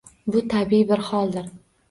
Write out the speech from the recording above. Bu tabiiy bir holdir.